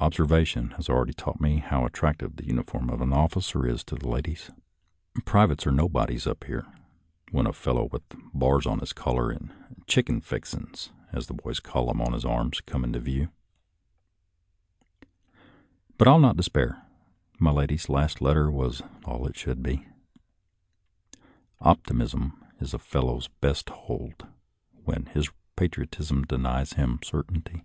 Observation has already taught me how at tractive the uniform of an officer is to the ladies. Privates are nobodies up here, when a fellow with bars on his collar and " chicken fixens," as the boys call them, on his arms, comes in view. But I'll not despair ; my lady's last letter was all it should be. Optimism is a fellow's best hold when his patriotism denies him certainty.